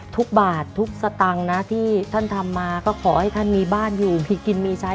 ทุกบาททุกสตางค์นะที่ท่านทำมาก็ขอให้ท่านมีบ้านอยู่มีกินมีใช้